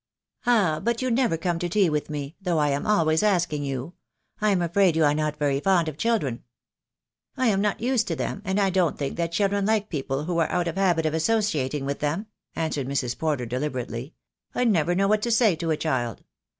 "Ah, but you never come to tea with me, though I am always asking you. I'm afraid you are not very fond of children." "I am not used to them, and I don't think that chil dren like people who are out of the habit of associating with them," answered Mrs. Porter deliberately. "I never know what to say to a child.